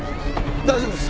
大丈夫です！